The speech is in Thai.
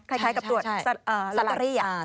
คล้ายกับตรวจล็อตเตอรี่อ่ะใช่